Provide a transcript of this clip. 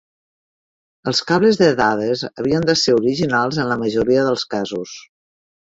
Els cables de dades havien de ser originals en la majoria dels casos.